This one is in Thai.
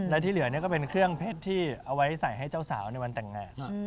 และที่เหลือก็เป็นเครื่องเพชรที่เอาไว้ใส่ให้เจ้าสาวในวันแต่งงาน